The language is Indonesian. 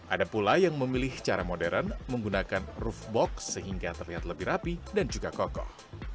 ada pula yang memilih cara modern menggunakan roof box sehingga terlihat lebih rapi dan juga kokoh